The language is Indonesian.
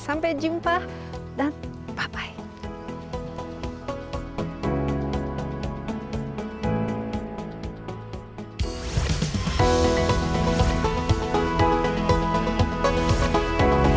sampai jumpa dan bye bye